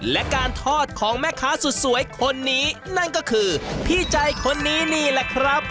และการทอดของแม่ค้าสุดสวยคนนี้นั่นก็คือพี่ใจคนนี้นี่แหละครับ